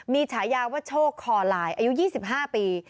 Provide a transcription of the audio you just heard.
มีฉายาว่าโชคคอลายอายุ๒๕ปี